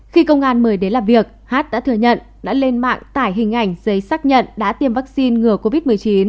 khi công an mời đến làm việc hát đã thừa nhận đã lên mạng tải hình ảnh giấy xác nhận đã tiêm vaccine ngừa covid một mươi chín